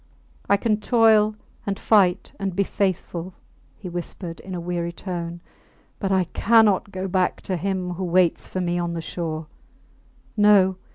I can toil, and fight and be faithful, he whispered, in a weary tone, but I cannot go back to him who waits for me on the shore. No!